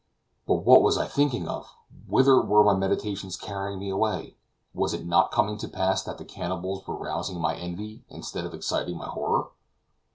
But what was I thinking of! whither were my meditations carrying me away? was it not coming to pass that the cannibals were rousing my envy instead of exciting my horror?